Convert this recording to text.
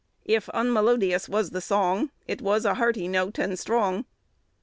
"If unmelodious was the song, It was a hearty note and strong."